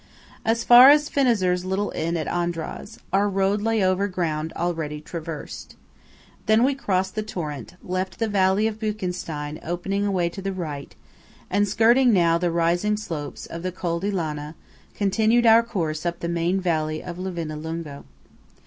As far as Finazzer's little inn at Andraz, our road lay over ground already traversed. Then we crossed the torrent, left the valley of Buchenstein opening away to the right, and, skirting now the rising slopes of the Col di Lana, continued our course up the main valley of Livinallungo.